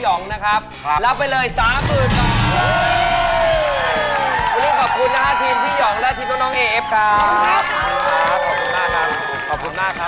รางละละ